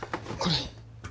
これ。